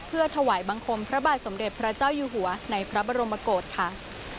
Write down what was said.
เพื่อถวายบังคมพระบาทสมเด็จพระเจ้าอยู่หัวในพระบรมโกศค่ะ